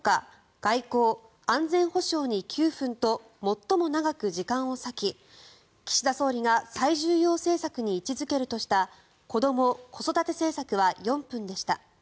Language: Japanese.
外交・安全保障に９分と最も長く時間を割き岸田総理が最重要政策に位置付けるとした子ども・子育て政策は４分でした。